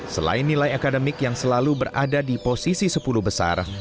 selain nilai akademik yang selalu berada di posisi sepuluh besar